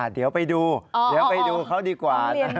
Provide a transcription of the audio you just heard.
เดี๋ยวไปดูเดี๋ยวไปดูเขาดีกว่า